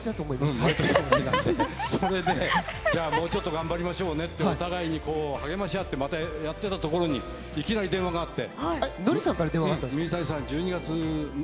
それでもちょっと頑張りましょうねってお互いに励ましあってまたやっていたところにいきなり電話があって。